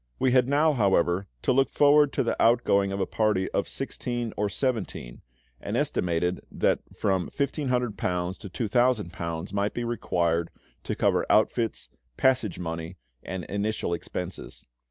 We had now, however, to look forward to the outgoing of a party of sixteen or seventeen, and estimated that from £1500 to £2000 might be required to cover outfits, passage money, and initial expenses.